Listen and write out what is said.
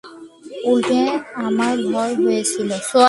উলটে আমার ভয় হয়েছিল।